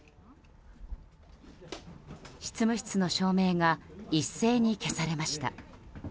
執務室の照明が一斉に消されました。